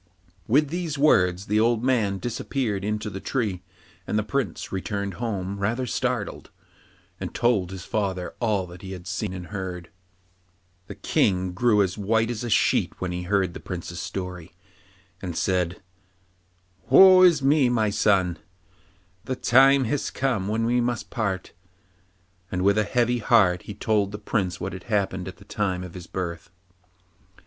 With these words the old man disappeared into the tree, and the Prince returned home rather startled, and told his father all that he had seen and heard. The King grew as white as a sheet when he heard the Prince's story, and said, 'Woe is me, my son! The time has come when we must part,' and with a heavy heart he told the Prince what had happened at the time of his birth.